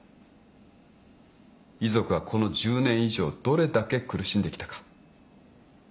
遺族はこの１０年以上どれだけ苦しんできたか。